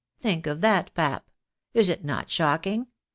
Think of that, pap ! Is it not shocking